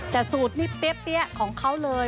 แต่สูตรนี้เปี้ยของเขาเลย